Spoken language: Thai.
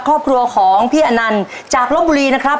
ครอบครัวของพี่อนันต์จากลบบุรีนะครับ